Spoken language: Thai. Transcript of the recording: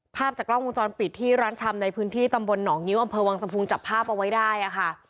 ภาพจากกล้องวงจรปิดที่ร้านชำในพื้นที่ตำบลหนองงิ้วอำเภอวังสะพุงจับภาพเอาไว้ได้ค่ะ